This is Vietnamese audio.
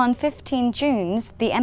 và cô ấy sẽ ở đây